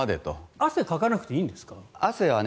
汗をかかなくていいんですか？